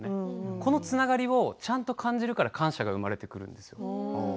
このつながりをちゃんと感じるから感謝が生まれてくるんです。